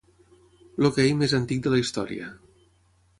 L'okay més antic de la història.